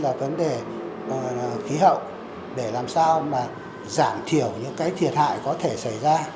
đến cái vấn đề môi trường ô nhiễm môi trường cũng như là vấn đề khí hậu để làm sao mà giảm thiểu những cái thiệt hại có thể xảy ra